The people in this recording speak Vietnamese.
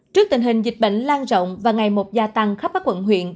trước tình hình dịch bệnh lan rộng và ngày một gia tăng khắp các quận huyện